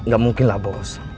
gak mungkin lah bos